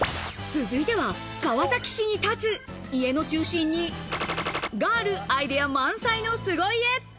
続いては川崎市に建つ、家の中心にがあるアイデア満載の凄家。